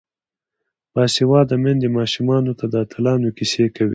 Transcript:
باسواده میندې ماشومانو ته د اتلانو کیسې کوي.